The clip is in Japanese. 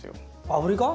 アフリカ？